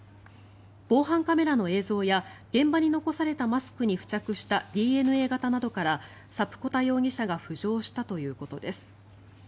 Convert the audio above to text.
防犯カメラの映像や現場に残されたマスクに付着したＤＮＡ型などからサプコタ容疑者が浮上したということです。